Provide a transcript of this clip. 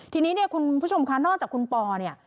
ทีนี้เนี่ยคุณผู้ชมคะนอกจากคุณปอเนี่ย